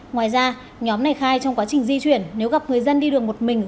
ngoài ra nhóm này khai trong quá trình di chuyển nếu gặp người dân đi đường một mình